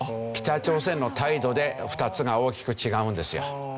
北朝鮮の態度で２つが大きく違うんですよ。